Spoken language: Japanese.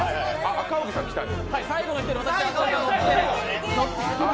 赤荻さん来たよ。